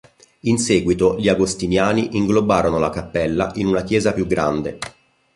In seguito gli agostiniani inglobarono la cappella in una chiesa più grande.